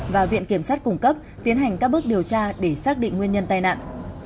và viện kiểm sát cung cấp tiến hành các bước điều tra để xác định nguyên nhân tai nạn